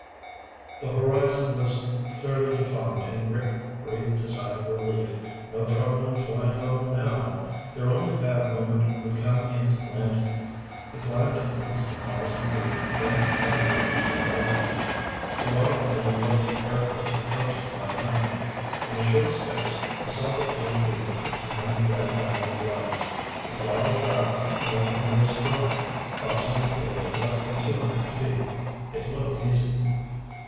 The horizon was clearly defined and Rick breathed a sigh of relief. No trouble in flying level now. Their only bad moment would come in landing. He climbed to almost a thousand feet, then set a course for Whiteside. He wanted to get a look at the airport approaches by night. In a short space he saw the field beacon and then the red boundary lights. He throttled back and let the nose drop, crossing the field at less than two hundred feet. It looked easy.